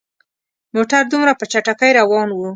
موټر دومره په چټکۍ روان وو.